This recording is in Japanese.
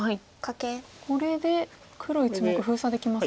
これで黒１目封鎖できますか。